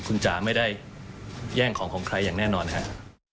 คุณจ๋าไม่ได้แย่งของของใครอย่างแน่นอนครับ